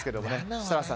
設楽さん